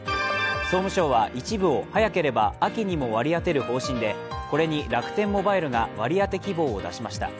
総務省は一部を早ければ秋にも割り当てる方針でこれに楽天モバイルが割り当て希望を出しました。